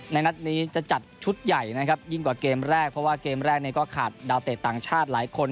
นัดนี้จะจัดชุดใหญ่นะครับยิ่งกว่าเกมแรกเพราะว่าเกมแรกเนี่ยก็ขาดดาวเตะต่างชาติหลายคน